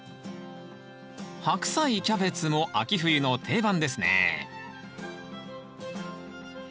ハクサイキャベツも秋冬の定番ですね